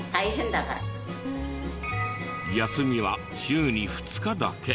休みは週に２日だけ。